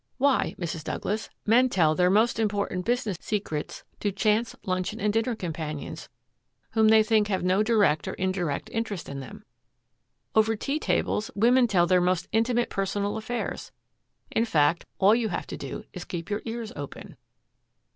Why, Mrs. Douglas, men tell their most important business secrets to chance luncheon and dinner companions whom they think have no direct or indirect interest in them. Over tea tables women tell their most intimate personal affairs. In fact, all you have to do is to keep your ears open."